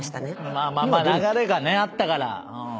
まあまあ流れがあったから。